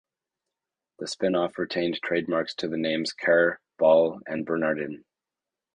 The spin-off retained the trademarks to the names Kerr, Ball, and Bernardin.